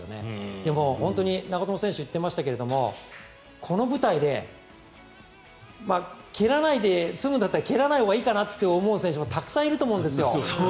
でも、本当に長友選手が言ってましたがこの舞台で蹴らないで済むんだったら蹴らないほうがいいって思う選手もたくさんいると思うんですよ。